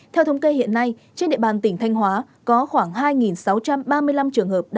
theo thống kê hiện nay trên địa bàn tỉnh thanh hóa có khoảng hai sáu trăm ba mươi năm trường hợp